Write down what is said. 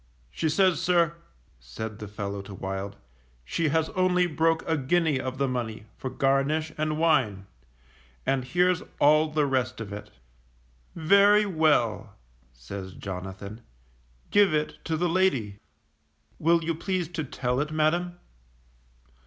She says, sir, said the fellow to Wild she has only broke a guinea of the money for garnish and wine, and here's all the rest of it. Very well, says Jonathan, _give it to the lady. Will you please to tell it, madam?